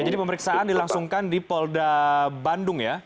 jadi pemeriksaan dilangsungkan di polda bandung ya